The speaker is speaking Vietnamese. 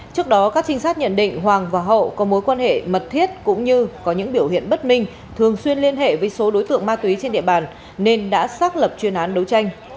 trước đó các trinh sát nhận định hoàng và hậu có mối quan hệ mật thiết cũng như có những biểu hiện bất minh thường xuyên liên hệ với số đối tượng ma túy trên địa bàn nên đã xác lập chuyên án đấu tranh